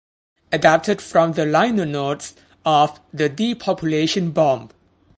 Adapted from the liner notes of "The Depopulation Bomb".